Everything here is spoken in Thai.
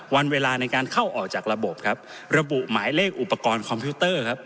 วันเวลาในการเข้าออกจากระบบครับระบุหมายเลขอุปกรณ์คอมพิวเตอร์ครับ